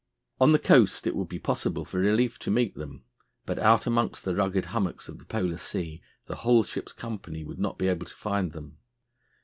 On the coast it would be possible for relief to meet them, but out amongst the rugged hummocks of the Polar Sea the whole ship's company would not be able to find them.